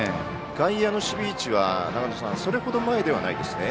外野の守備位置はそれ程、前ではないですね。